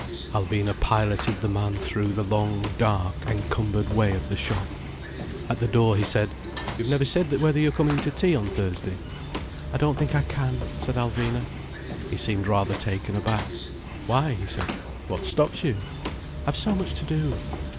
Alvina piloted the man through the long, dark, encumbered way of the shop. At the door he said: "You've never said whether you're coming to tea on Thursday." "I don't think I can," said Alvina. He seemed rather taken aback. "Why?" he said. "What stops you?" "I've so much to do."